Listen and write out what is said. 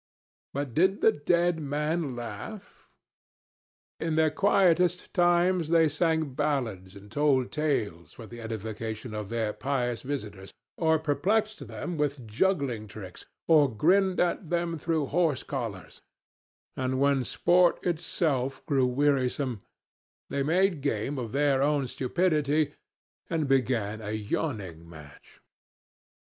But did the dead man laugh? In their quietest times they sang ballads and told tales for the edification of their pious visitors, or perplexed them with juggling tricks, or grinned at them through horse collars; and when sport itself grew wearisome, they made game of their own stupidity and began a yawning match.